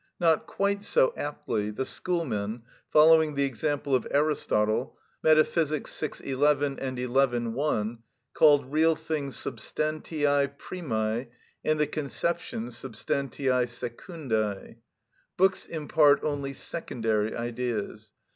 Not quite so aptly, the Schoolmen, following the example of Aristotle (Metaph., vi. 11, xi. 1), called real things substantiæ primæ, and the conceptions substantiæ secundæ. Books impart only secondary ideas.